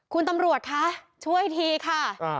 คุณตำรวจคะช่วยทีค่ะ